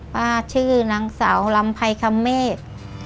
ป้าชื่อนางสาวลำไพคาเมฆ